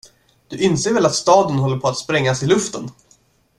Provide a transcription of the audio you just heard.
Du inser väl att staden håller på att sprängas i luften.